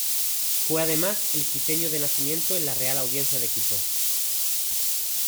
Fue además el quiteño de nacimiento en la Real Audiencia de Quito.